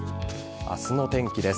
明日の天気です。